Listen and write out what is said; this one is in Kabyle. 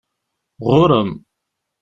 Ɣuṛ-m!